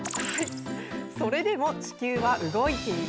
「それでも地球は動いている」